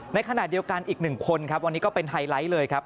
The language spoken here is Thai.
ในขณะเดียวกันอีกหนึ่งคนครับวันนี้ก็เป็นไฮไลท์เลยครับ